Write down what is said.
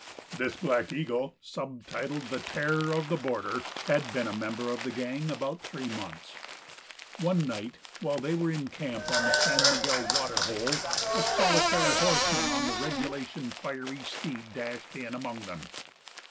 This Black Eagle sub titled the "Terror of the Border" had been a member of the gang about three months. One night while they were in camp on the San Miguel water hole a solitary horseman on the regulation fiery steed dashed in among them.